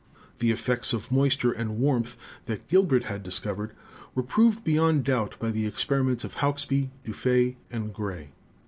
The effects of moisture and warmth that Gilbert had discovered were proved beyond doubt by the experiments of Hauksbee,' Dufay and Gray.